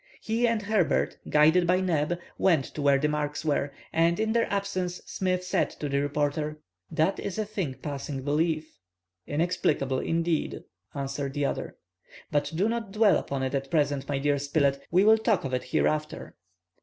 He and Herbert, guided by Neb, went to where the marks were, and in their absence Smith said to the reporter:— "That is a thing passing belief." "Inexplicable, indeed," answered the other. "But do not dwell upon it at present, my dear Spilett, we will talk of it hereafter."